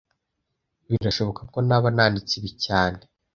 Birashoboka ko naba nanditse ibi cyane